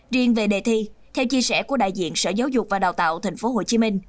riêng về đề thi theo chia sẻ của đại diện sở giáo dục và đào tạo tp hcm